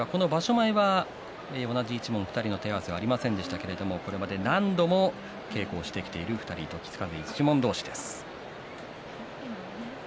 前は同じ一門２人の手合わせはありませんでしたが、これまでも何度も稽古をしてきている２人時津風一門同士です。